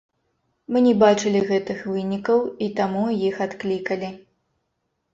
Мы не бачылі гэтых вынікаў і таму іх адклікалі.